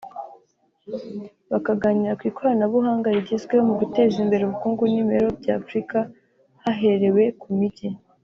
bakaganira ku ikoranabuhanga rigezweho mu guteza imbere ubukungu n’imibereho bya Afurika haherewe ku mijyi